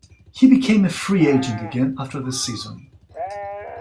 He became a free agent again after the season.